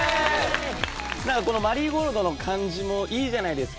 この『マリーゴールド』の感じもいいじゃないですか。